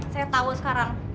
saya tau sekarang